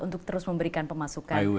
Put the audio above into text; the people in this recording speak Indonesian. untuk terus memberikan pemasukan